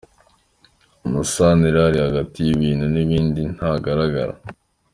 Amasanira ari hagati y’ibintu n’ibindi ntagaragara.